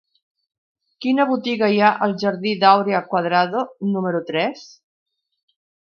Quina botiga hi ha al jardí d'Áurea Cuadrado número tres?